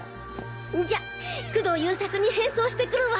じゃあ工藤優作に変装してくるわ！